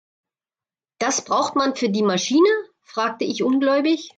Das braucht man für die Maschine?, fragte ich ungläubig.